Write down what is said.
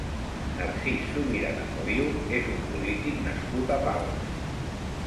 Narcís Subirana Feliu és un polític nascut a Pals.